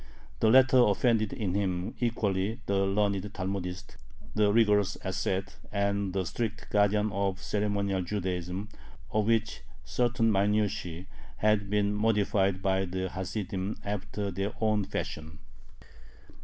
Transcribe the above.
The latter offended in him equally the learned Talmudist, the rigorous ascete, and the strict guardian of ceremonial Judaism, of which certain minutiae had been modified by the Hasidim after their own fashion.